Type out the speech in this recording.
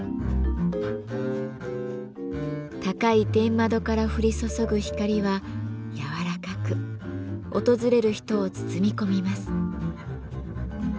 高い天窓から降り注ぐ光は柔らかく訪れる人を包み込みます。